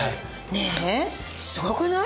ねえすごくない？